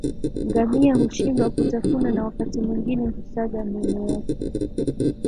Ngamia hushindwa kutafuna na wakati mwingine husaga meno yake